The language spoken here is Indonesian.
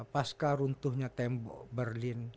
pasca runtuhnya tembok berlin